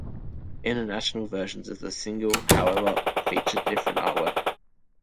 International versions of the single, however, featured different artwork.